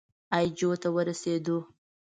اي جو ته ورسېدو.